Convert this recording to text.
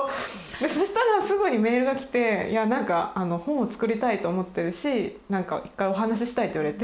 そしたらすぐにメールが来て「本を作りたいと思ってるし一回お話ししたい」と言われて。